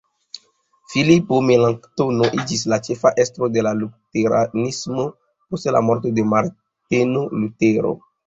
Filipo Melanktono iĝis la ĉefa estro de luteranismo post la morto de Marteno Lutero.